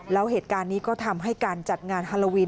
แล้วเหตุการณ์นี้ก็ทำให้การจัดงานฮาโลวีน